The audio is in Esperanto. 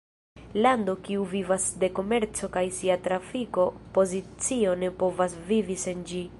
Lando kiu vivas de komerco kaj sia trafiko pozicio ne povas vivi sen ĝi.